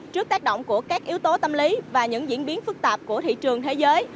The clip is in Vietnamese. trước tác động của các yếu tố tâm lý và những diễn biến phức tạp của thị trường thế giới